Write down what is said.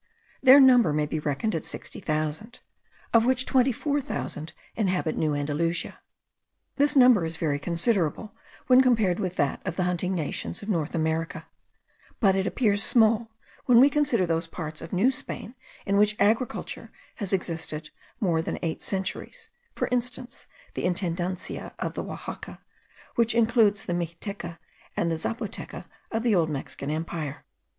Their number may be reckoned at sixty thousand; of which twenty four thousand inhabit New Andalusia. This number is very considerable, when compared with that of the hunting nations of North America; but it appears small, when we consider those parts of New Spain in which agriculture has existed more than eight centuries: for instance, the Intendencia of Oaxaca, which includes the Mixteca and the Tzapoteca of the old Mexican empire.